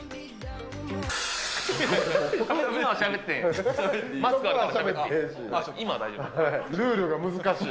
今はしゃべっていい。